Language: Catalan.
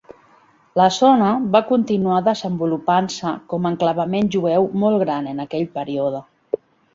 La zona va continuar desenvolupant-se com a enclavament jueu molt gran en aquell període.